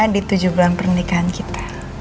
di tujuh bulan pernikahan kita